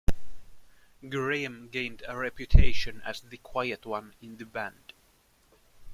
Graham gained a reputation as 'the quiet one' in the band.